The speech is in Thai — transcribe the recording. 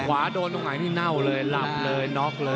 ขวาโดนตรงไหนนี่เน่าเลยหลับเลยน็อกเลย